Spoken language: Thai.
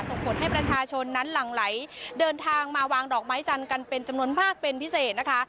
ส่งผลให้ประชาชนนั้นหลั่งไหลเดินทางมาวางดอกไม้จันทร์กันเป็นจำนวนมากเป็นพิเศษนะคะ